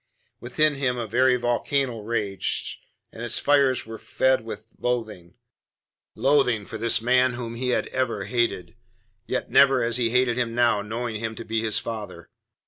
Within him a very volcano raged, and its fires were fed with loathing loathing for this man whom he had ever hated, yet never as he hated him now, knowing him to be his father.